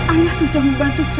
ayah sudah berhubung